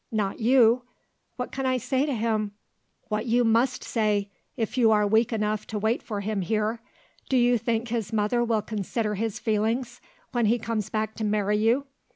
"Not you!" "What can I say to him?" "What you must say, if you are weak enough to wait for him here. Do you think his mother will consider his feelings, when he comes back to marry you?